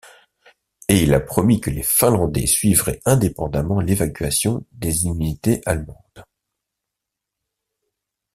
Et il a promis que les Finlandais suivraient indépendamment l'évacuation des unités allemandes.